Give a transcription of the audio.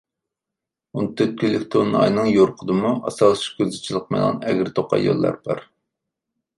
ئون تۆت كۈنلۈك تولۇن ئاينىڭ يورۇقىدىمۇ ئاسانلىقچە كۆزگە چېلىقمايدىغان ئەگىر توقاي يوللار بار.